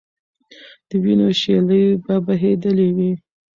د وینو شېلې به بهېدلې وي.